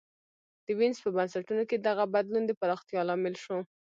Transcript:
د وینز په بنسټونو کې دغه بدلون د پراختیا لامل شو